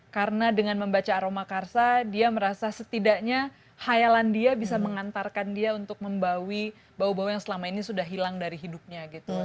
karena dengan membaca aromakarsa dia merasa setidaknya hayalan dia bisa mengantarkan dia untuk membawi bau bau yang selama ini sudah hilang dari hidupnya gitu